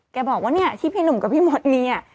แกบอกว่าเนี่ยที่พี่หนุ่มกับพี่มดมี